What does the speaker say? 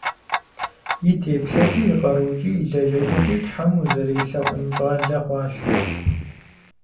И теплъэкӏи, и къарукӏи, и лэжьэкӏэкӏи Тхьэм узэрелъэӏун щӏалэ хъуащ.